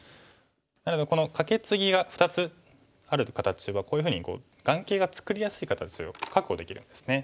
なのでこのカケツギが２つある形はこういうふうに眼形が作りやすい形を確保できるんですね。